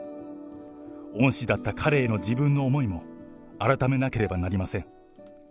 恩師だった彼への思いも、改めなければなりません。